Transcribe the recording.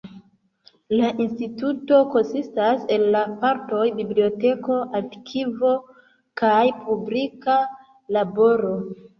La instituto konsistas el la partoj biblioteko, arkivo kaj publika laboro.